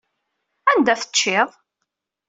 Anda teččiḍ?